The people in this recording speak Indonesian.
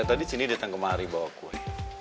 tadi sini datang kemari bawa kue